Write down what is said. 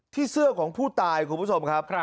ที่เสื้อของผู้ตายคุณผู้ชมครับครับ